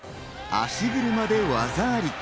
足車で技あり。